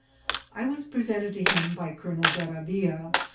I was presented to him by Colonel Zerabia.